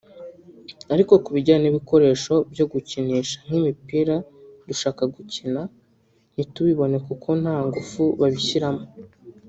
ariko ku bijyanye n’ibikoresho byo gukinisha nk’imipira dushaka gukina ntitubibone kuko nta ngufu babishyiramo